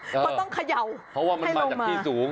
เพราะว่ามันมาจากที่สูง